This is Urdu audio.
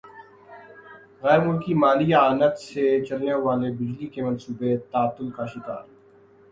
غیر ملکی مالی اعانت سے چلنے والے بجلی کے منصوبے تعطل کا شکار